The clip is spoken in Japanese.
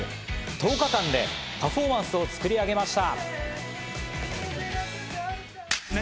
１０日間でパフォーマンスを作り上げました。